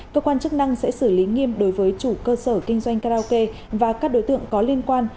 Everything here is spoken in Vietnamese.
cơ quan chức năng sẽ xử lý nghiêm đối với chủ cơ sở kinh doanh karaoke và các đối tượng có liên quan